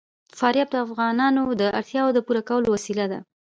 فاریاب د افغانانو د اړتیاوو د پوره کولو وسیله ده.